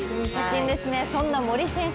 そんな森選手